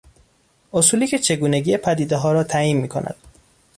اصولی که چگونگی پدیدهها را تعیین میکند